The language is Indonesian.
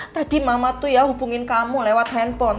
tadi mama tuh ya hubungin kamu lewat handphone